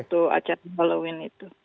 waktu acara halloween itu